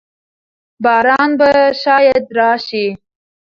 باران به شاید راشي.